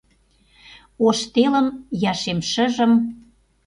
Ош телым я шем шыжым